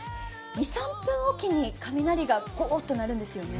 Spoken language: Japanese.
２３分置きに雷がゴーっと鳴るんですよね。